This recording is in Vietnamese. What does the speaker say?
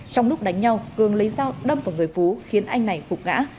trong lúc đánh nhau cường lấy dao đâm vào người phú khiến anh này phục ngã